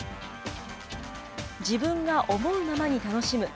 自分が思うままに楽しむ。